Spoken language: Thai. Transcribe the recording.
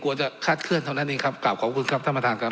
จะคาดเคลื่อนเท่านั้นเองครับกลับขอบคุณครับท่านประธานครับ